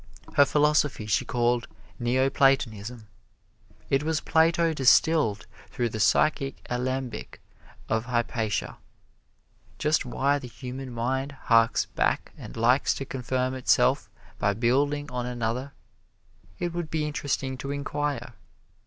Her philosophy she called Neo Platonism. It was Plato distilled through the psychic alembic of Hypatia. Just why the human mind harks back and likes to confirm itself by building on another, it would be interesting to inquire.